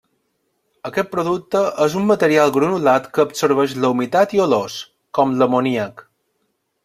Aquest producte és d'un material granulat que absorbeix la humitat i olors, com l'amoníac.